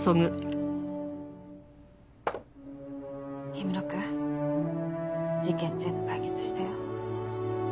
氷室くん事件全部解決したよ。